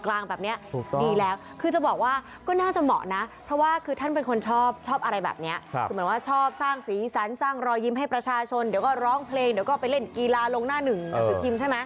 และว่าแบบนี้ครับชอบอะไรแบบนี้